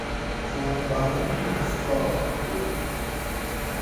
چھاں باۤرم ماں سار تھو